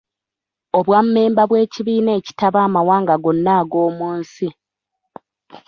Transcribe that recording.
Obwammemba bw’ekibiina ekitaba amawanga gonna ag’omu nsi.